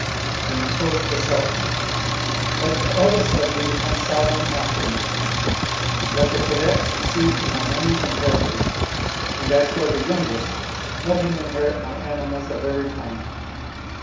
Then quoth the Sultan, " Let the eldest of you become sovereign after me : let the cadet succeed to my moneys and treasures, and as for the youngest let him inherit my animals of every kind.